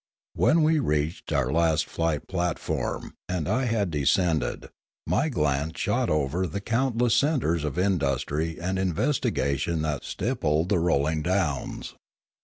When we reached our last flight platform, and I had descended, my glance shot over the countless centres of industry and investigation that stippled the rolling downs.